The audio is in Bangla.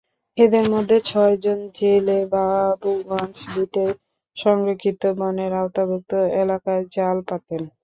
এঁদের মধ্যে ছয়জন জেলে বাবুগঞ্জ বিটের সংরক্ষিত বনের আওতাভুক্ত এলাকায় জাল পাতেন।